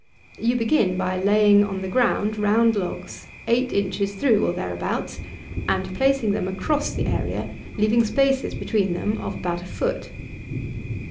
You begin by laying on the ground round logs, eight inches through, or thereabouts, and placing them across the area, leaving spaces between them of about a foot.